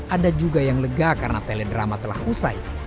ada juga yang lega karena teledrama telah usai